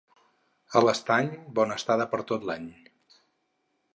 A l'Estany, bona estada per tot l'any.